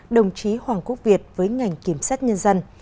đồng chí hoàng quốc việt với ngành kiểm sát nhân dân